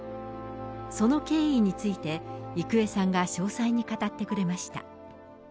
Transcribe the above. その経緯について、郁恵さんが詳細に語ってくれました。